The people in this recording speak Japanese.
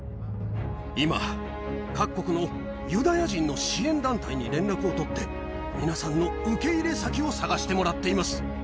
今、各国のユダヤ人の支援団体に連絡を取って、皆さんの受け入れ先を探してもらっています。